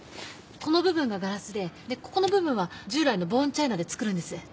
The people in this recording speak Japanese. この部分がガラスででここの部分は従来のボーンチャイナで作るんです。